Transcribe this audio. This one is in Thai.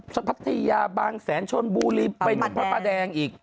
สะพัดที่ยาบางแสนชนบูรีไปหนึ่งพระประแดงอีก